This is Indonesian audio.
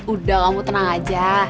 udah kamu tenang aja